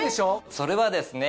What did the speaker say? それはですね